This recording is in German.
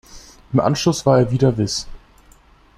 Im Anschluss war er wieder Wiss.